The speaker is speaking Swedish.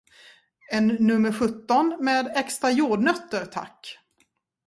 En nummer sjutton med extra jordnötter, tack!